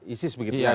isis begitu ya